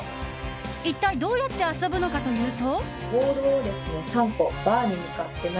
一体どうやって遊ぶのかというと。